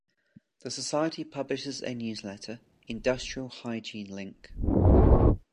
The society publishes a newsletter "Industrial Hygiene Link".